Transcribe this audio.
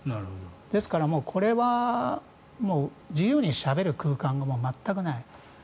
ですから、これは自由にしゃべる空間が全くない。